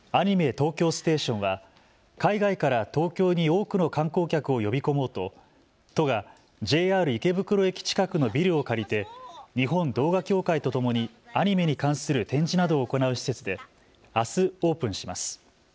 東京ステーションは海外から東京に多くの観光客を呼び込もうと都がＪＲ池袋駅近くのビルを借りて日本動画協会とともにアニメに関する展示などを行う施設であす、オープンします。